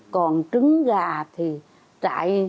còn trứng gà thì trại